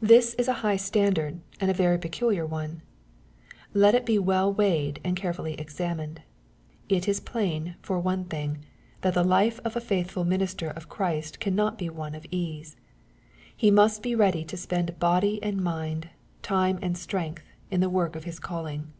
This is a high standard, and a very peculiar one. Let it be well weighed, and carefully examined. It is plain, for one thing, that the life of a fiiithful minister of Christ cannot be one of ease. He must be ready to spend body and mind, time and strength, in the work of His calling.